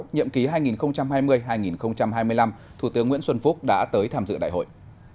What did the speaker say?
nhiệm ký hai nghìn hai mươi hai nghìn hai mươi năm thủ tướng nguyễn xuân phúc đã tới tham dự đại hội